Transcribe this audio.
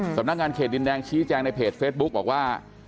สำนักงานเขตดินแดงชี้แจงในเพจเฟซบุ๊กบอกว่า